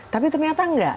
tapi ternyata enggak